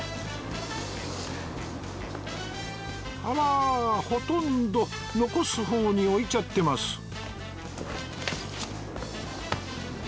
あらほとんど残す方に置いちゃってます